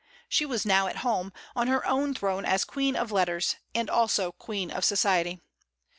She was now at home, on her own throne as queen of letters, and also queen of society.